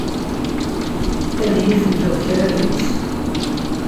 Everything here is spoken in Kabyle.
Ad yi-teǧǧeḍ kra deg-s?